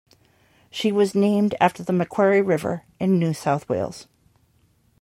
She was named after the Macquarie River in New South Wales.